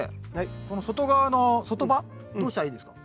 この外側の外葉どうしたらいいですか？